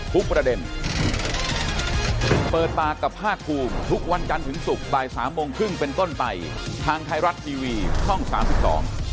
พร้อมสร้างพริกต่อ